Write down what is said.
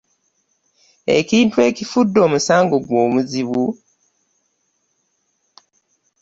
Ekintu ekifudde omusango gwe omuzibu.